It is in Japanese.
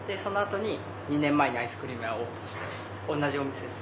２年前にアイスクリーム屋をオープンして同じお店で。